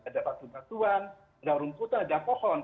ada batu batuan ada rumputan ada pohon